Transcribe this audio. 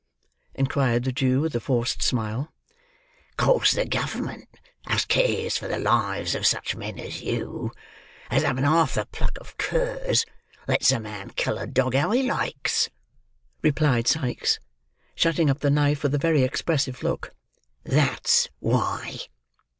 inquired the Jew with a forced smile. "Cause the government, as cares for the lives of such men as you, as haven't half the pluck of curs, lets a man kill a dog how he likes," replied Sikes, shutting up the knife with a very expressive look; "that's why."